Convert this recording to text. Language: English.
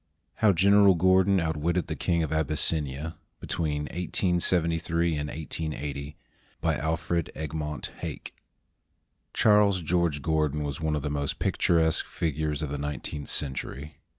HOW GENERAL GORDON OUTWITTED THE KING OF ABYSSINIA [Between 1873 and 1880] BY ALFRED EGMONT HAKE [Charles George' Gordon was one of the most picturesque figures of the nineteenth century.